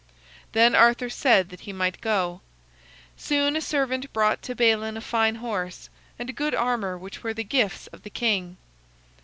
Then Arthur said that he might go. Soon a servant brought to Balin a fine horse and good armor which were the gifts of the king.